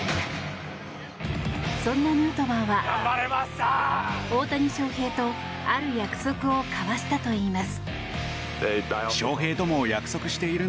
そんなヌートバーは、大谷翔平とある約束を交わしたといいます。